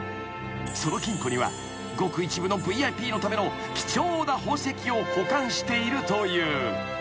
［その金庫にはごく一部のＶＩＰのための貴重な宝石を保管しているという］